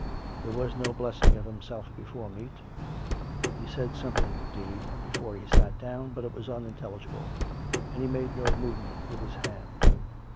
There was no blessing of himself be fore meat; he said something, indeed, before he sat down, but it was unintelligible, and he made no movement with his hand.